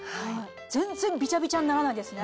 全然びちゃびちゃにならないですね